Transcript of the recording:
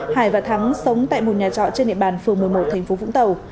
hải và thắng sống tại một nhà trọ trên địa bàn phường một mươi một tp vũng tàu